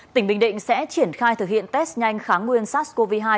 tỉnh bình định sẽ triển khai thực hiện test nhanh kháng nguyên sars cov hai